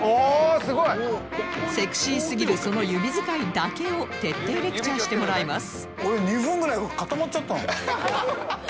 セクシーすぎるその指づかいだけを徹底レクチャーしてもらいます